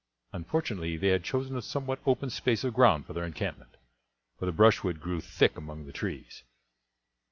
Unfortunately they had chosen a somewhat open space of ground for their encampment, for the brushwood grew thick among the trees.